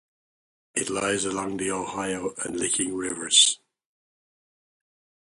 It lies along the Ohio and Licking Rivers.